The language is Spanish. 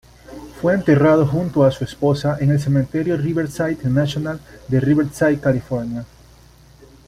Fue enterrado junto a su esposa en el Cementerio Riverside National de Riverside, California.